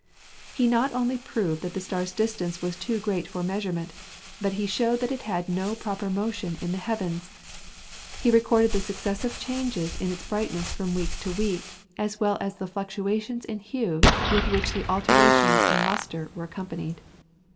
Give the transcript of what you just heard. He not only proved that the star's distance was too great for measurement, but he showed that it had no proper motion on the heavens. He recorded the successive changes in its brightness from week to week, as well as the fluctuations in hue with which the alterations in lustre were accompanied.